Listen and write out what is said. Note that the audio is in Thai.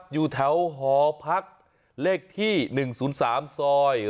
อยู่แถวหอพักเลขที่หนึ่งศูนย์สามซอย